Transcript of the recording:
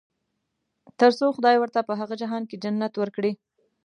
تر څو خدای ورته په هغه جهان کې جنت ورکړي.